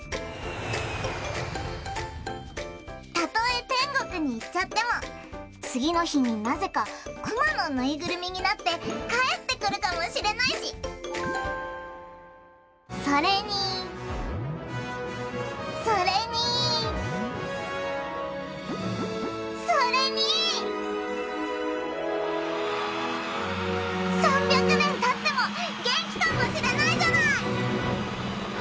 たとえてんごくにいっちゃってもつぎのひになぜかクマのぬいぐるみになってかえってくるかもしれないしそれにそれにそれに３００ねんたってもげんきかもしれないじゃない！